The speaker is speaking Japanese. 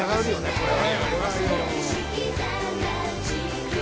これは」